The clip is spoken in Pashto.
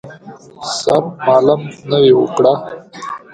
سرمالم نوې وکړه.